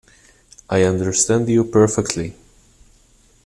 I understand you perfectly.